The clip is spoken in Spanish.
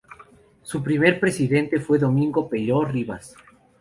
Su primer presidente fue Domingo Peiró Ribas.